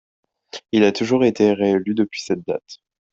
Il a toujours été réélu depuis cette date.